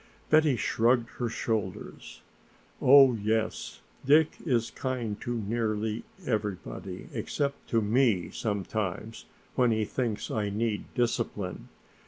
Betty shrugged her shoulders. "Oh yes, Dick is kind to nearly everybody, except to me sometimes when he thinks I need discipline.